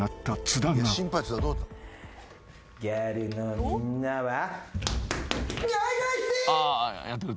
ギャルのみんなは。